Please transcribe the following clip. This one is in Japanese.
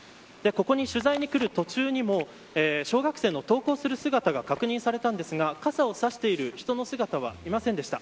ここに取材に来る途中にも小学生の登校する姿が確認されたんですが傘をさしている人の姿はいませんでした。